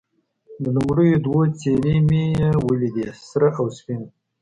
د لومړیو دوو څېرې مې یې ولیدې، سره او سپین.